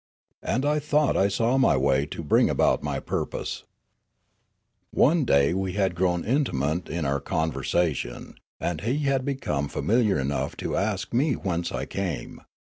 And I thought I saw my way to bring about my purpose. One day we had again grown intimate in our con versation, and he had become familiar enough to ask me whence I came.